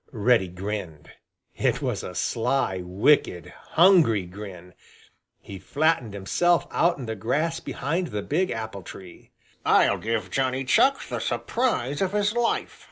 Reddy grinned. It was a sly, wicked, hungry grin. He flattened himself out in the grass behind the big apple tree. "I'll give Johnny Chuck the surprise of his life!"